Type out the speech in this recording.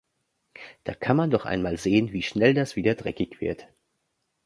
Da kann man doch einmal sehen, wie schnell das wieder dreckig wird.